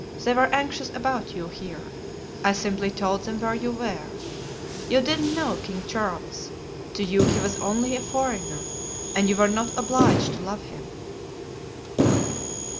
They were anxious about you here; I simply told them where you were. You didn't know King Charles; to you he was only a foreigner and you were not obliged to love him."